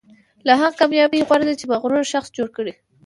له هغه کامیابۍ غوره ده چې مغرور شخص جوړ کړي.